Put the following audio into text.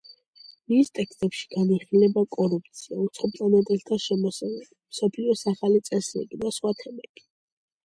მის ტექსტებში განიხილება კორუფცია, უცხოპლანეტელთა შემოსევები, მსოფლიოს ახალი წესრიგი და სხვა თემები.